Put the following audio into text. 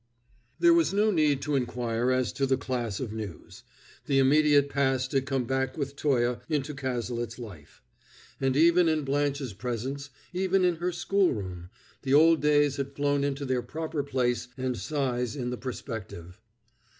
There was no need to inquire as to the class of news; the immediate past had come back with Toye into Cazalet's life; and even in Blanche's presence, even in her schoolroom, the old days had flown into their proper place and size in the perspective.